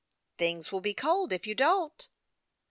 " Things will be cold if you don't."